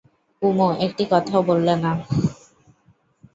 কুমু একটি কথাও বললে না।